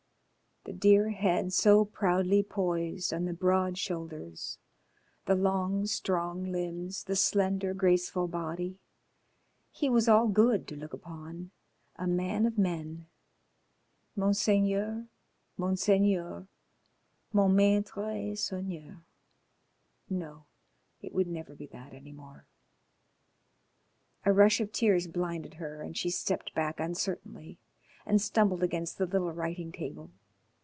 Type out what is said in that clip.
The dear head so proudly poised on the broad shoulders, the long strong limbs, the slender, graceful body. He was all good to look upon. A man of men. Monseigneur! Monseigneur! Mon maitre et seigneur. No! It would never be that any more. A rush of tears blinded her and she stepped back uncertainly and stumbled against the little writing table.